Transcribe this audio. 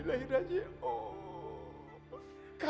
santi sudah meninggal